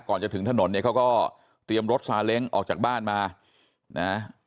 ก่อนจะถึงถนนเนี่ยเขาก็เตรียมรถซาเล้งออกจากบ้านมานะ